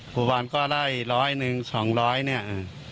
ปรุงบันก็ได้กลายเป็นร้อย๑๐๐๒๐๐บาท